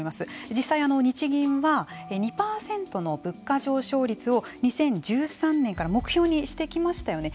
実際、日銀は２％の物価上昇率を２０１３年から目標にしてきましたよね。